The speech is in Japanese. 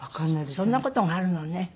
そんな事があるのね。